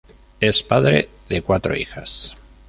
Es padre de cuatro hijas.